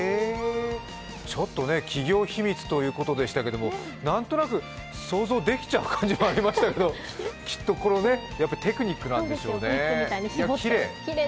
企業秘密ということでしたけど、なんとなく想像できちゃう感じもありますけどきっと、このテクニックなんでしょうね、きれい。